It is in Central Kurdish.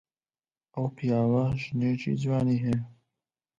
ئەو پیاوە ژنێکی جوانی هەیە.